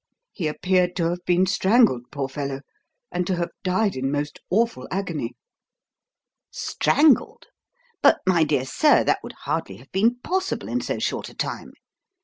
He appeared to have been strangled, poor fellow, and to have died in most awful agony." "Strangled? But, my dear sir, that would hardly have been possible in so short a time.